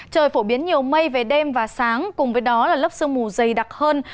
trời phổ biến nhiều mây về đêm và sáng cùng với đó là lớp sương mù dày đặc hơn